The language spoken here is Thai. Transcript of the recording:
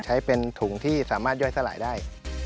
ใช้เป็นถุงที่สามารถย่อยสลายได้